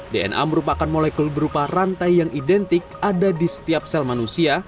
dna merupakan molekul berupa rantai yang identik ada di setiap sel manusia